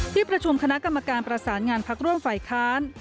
ที่ประชุมคณะกรรมการประสานงานพักร่วมฝ่ายค้าน